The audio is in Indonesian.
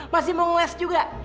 masih mau ngeles juga